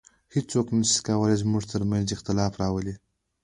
هیڅوک نسي کولای زموږ تر منځ اختلاف راولي